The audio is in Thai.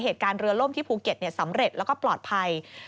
เหตุการณ์เรือล่มที่ภูเก็ตสำเร็จแล้วก็ปลอดภัย